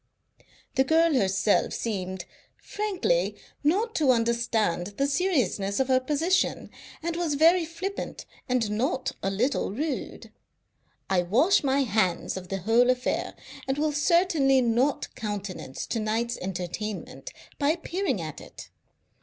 The girl herself seemed, frankly, not to understand the seriousness of her position, and was very flippant and not a little rude. I wash my hands of the whole affair, and will certainly not countenance to night's entertainment by appearing at it.